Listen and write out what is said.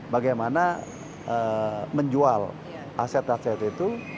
bagaimana menjual aset aset itu